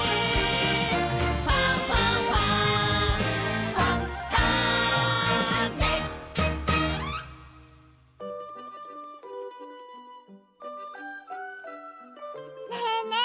「ファンファンファン」ねえねえ